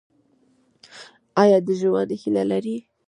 ایا د ژوند هیله لرئ؟